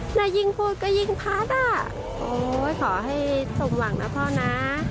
ถ้ายิ่งพูดก็ยิ่งพัดอ่ะโอ้ยขอให้สมหวังนะพ่อนะ